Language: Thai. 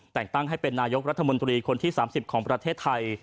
แต่งตั้งให้เป็นนายกรัฐมนตรีคนที่๓๐ของประเทศไทย